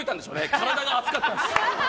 体が熱かったです。